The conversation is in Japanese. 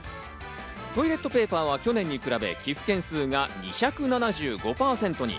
トイレットペーパーは去年に比べ、寄付件数が２７５％に。